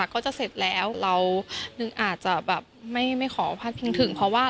ก็จะเสร็จแล้วเรานึงอาจจะแบบไม่ขอพาดพิงถึงเพราะว่า